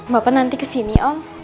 bapak nanti kesini om